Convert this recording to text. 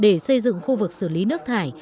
để xây dựng khu vực xử lý nước thải